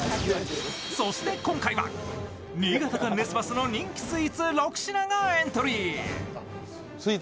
そして今回は、新潟館ネスパスの人気スイーツ６品がエントリー。